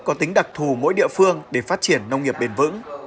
có tính đặc thù mỗi địa phương để phát triển nông nghiệp bền vững